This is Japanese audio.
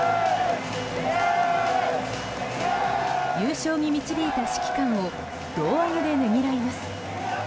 優勝に導いた指揮官を胴上げでねぎらいます。